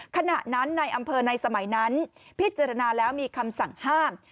ขณะนั้นในอำเภอในสมัยนั้นพิจารณาแล้วมีคำสั่งห้าม